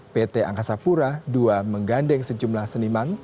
pt angkasa pura ii menggandeng sejumlah seniman